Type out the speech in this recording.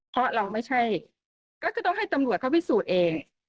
เพราะเราไม่ใช่ก็คือต้องให้ตำรวจเขาพิสูจน์เอง